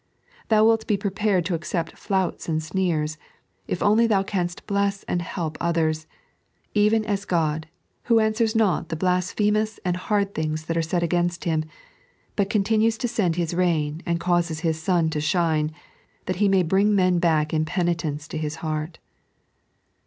Thou wilt be prepared to accept fiouts and sneers, if only thou canst bless and help others ; even as God, who answers not the blasphemous and hard things that are said against Him, but continues to send His rain and causes His sun to ehine, that He may bring men back in penitence to His heart.